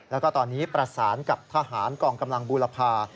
แล้วก็ตอนนี้ประสานกับทหารกองกำลังบูรพา